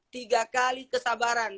tiga kali kesabaran